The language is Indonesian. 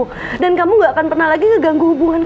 kalau kamu gak akan pernah lagi ngerebut mas akmal dari aku